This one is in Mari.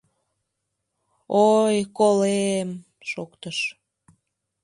Ой, колем! — шоктыш.